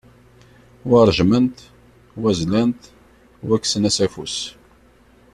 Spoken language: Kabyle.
Wa ṛejmen-t, wa zlan-t, wa kksen-as afus.